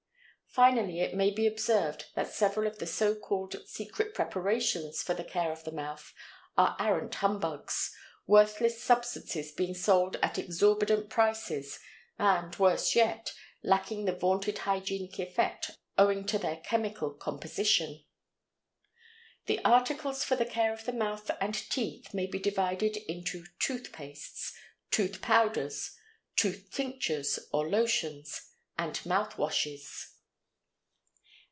Finally it may be observed that several of the so called secret preparations for the care of the mouth are arrant humbugs, worthless substances being sold at exorbitant prices and, worse yet, lacking the vaunted hygienic effect owing to their chemical composition. The articles for the care of the mouth and teeth may be divided into tooth pastes, tooth powders, tooth tinctures or lotions, and mouth washes.